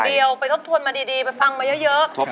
เดียวไปทบทวนมาดีไปฟังมาเยอะ